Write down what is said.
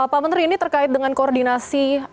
pak menteri ini terkait dengan koordinasi